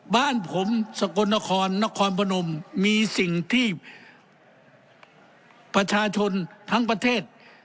บ้านผมสกลนครนครพนมมีสิ่งที่ประชาชนทั้งประเทศ